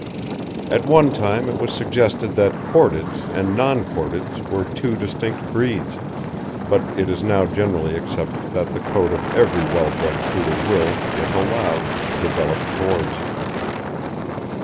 At one time it was suggested that cordeds and non cordeds were two distinct breeds, but it is now generally accepted that the coat of every well bred Poodle will, if allowed, develop cords.